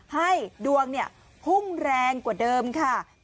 ให้ดวงเนี่ยหุ้งแรงกว่าเดิมค่ะ